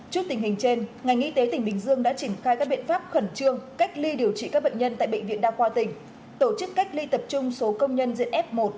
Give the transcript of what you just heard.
trước tình hình trên ngành y tế tỉnh bình dương đã triển khai các biện pháp khẩn trương cách ly điều trị các bệnh nhân tại bệnh viện đa khoa tỉnh tổ chức cách ly tập trung số công nhân diện f một